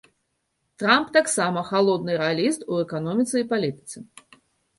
Трамп таксама халодны рэаліст у эканоміцы і палітыцы.